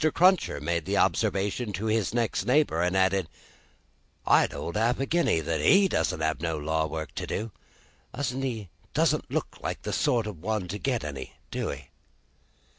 Cruncher made the observation to his next neighbour, and added, "I'd hold half a guinea that he don't get no law work to do. Don't look like the sort of one to get any, do he?"